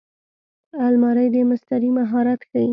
الماري د مستري مهارت ښيي